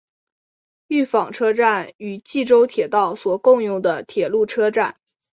御坊车站与纪州铁道所共用的铁路车站。